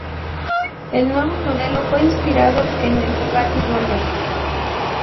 El nuevo modelo fue inspirado en el Bugatti Royale.